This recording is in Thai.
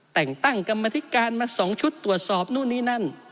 แต่งตั้งกรรมธิการมา๒ชุดตรวจสอบนู่นนี่นั่น